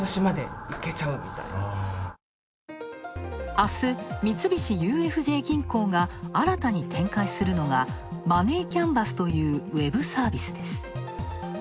あす、三菱ＵＦＪ銀行が新たに展開するのがＭｏｎｅｙＣａｎｖａｓというウェブサービスです。